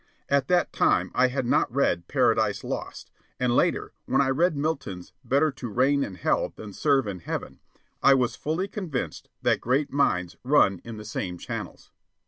At that time I had not read "Paradise Lost," and later, when I read Milton's "Better to reign in hell than serve in heaven," I was fully convinced that great minds run in the same channels.